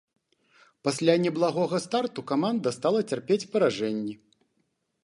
Пасля неблагога старту каманда стала цярпець паражэнні.